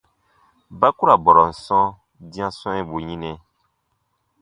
Ba ku ra bɔrɔn sɔ̃ dĩa swɛ̃ɛbu yinɛ.